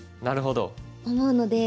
なるほど。